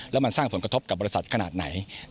แล้วมันสร้างผลกระทบกับบริษัทขนาดไหน